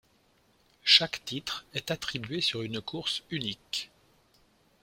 Chaque titre est attribué sur une course unique.